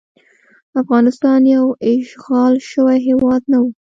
افغانستان یو اشغال شوی هیواد نه وو.